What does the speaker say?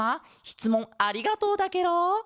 しつもんありがとうだケロ。